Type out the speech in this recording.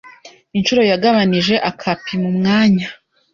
inshuro yagabanije akapima Umwanya